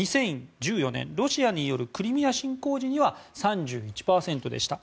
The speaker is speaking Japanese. ２０１４年、ロシアによるクリミア侵攻時には３１％でした。